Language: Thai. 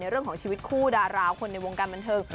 เรื่องของชีวิตคู่ดาราคนในวงการบันเทิง